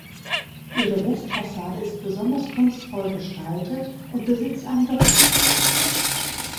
Ihre Westfassade ist besonders kunstvoll gestaltet und besitzt ein Doppelportal.